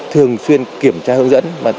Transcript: thường xuyên kiểm tra hướng dẫn